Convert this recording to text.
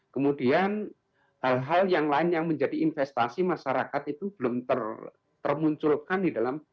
kemudian hal hal yang lain yang menjadi investasi masyarakat itu belum termunculkan di dalam